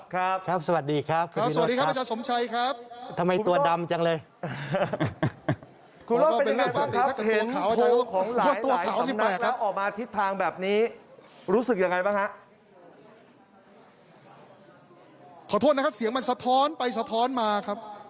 ขอโทษนะครับเสียงมันสะท้อนไปสะท้อนมาครับ